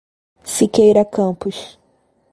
Siqueira Campos